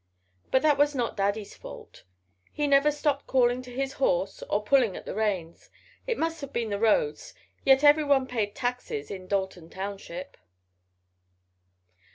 But that was not Daddy's fault. He never stopped calling to his horse, or pulling at the reins. It must have been the roads, yet everyone paid taxes in Dalton Township.